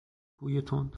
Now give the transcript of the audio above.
بوی تند